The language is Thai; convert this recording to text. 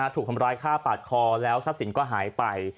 ถูกทำร้ายฆ่าปาดคอแล้วทรัพย์สินก็หายไป